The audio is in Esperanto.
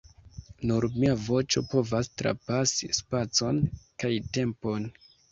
Nur mia voĉo povas trapasi spacon kaj tempon